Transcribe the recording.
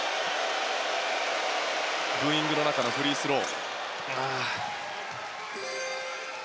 ブーイングの中のフリースロー。